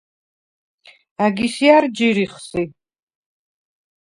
ა̈გის ჲა̈რ ჯირიხ სი?